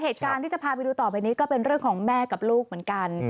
เหตุการณ์ที่จะพาไปดูต่อไปนี้ก็เป็นเรื่องของแม่กับลูกเหมือนกัน